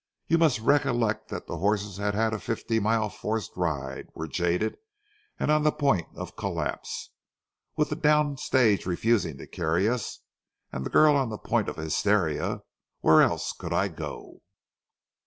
"You must recollect that the horses had had a fifty mile forced ride, were jaded, and on the point of collapse. With the down stage refusing to carry us, and the girl on the point of hysteria, where else could I go?"